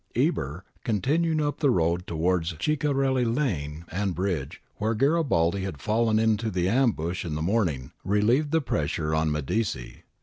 Eber, continuing up the road towards the Ciccarelh lane and bridge where Garibaldi had fallen into the ambush in the morning, relieved the pressure on Medici.